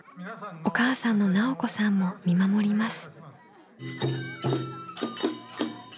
お母さんの奈緒子さんも見守ります。